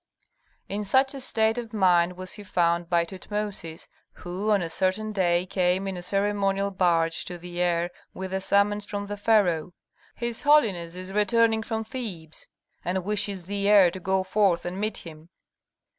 In such a state of mind was he found by Tutmosis, who on a certain day came in a ceremonial barge to the heir with a summons from the pharaoh. "His holiness is returning from Thebes, and wishes the heir to go forth and meet him."